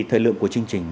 thời lượng của chương trình